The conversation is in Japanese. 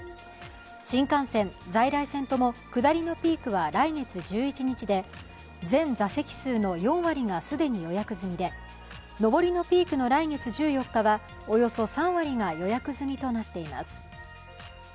新幹線在来線とも、下りのピークは来月１１日で全座席数の４割が既に予約済みで上りのピークの来月１４日はおよそ３割が予約済みとなっています。